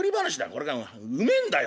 これがうめえんだよ。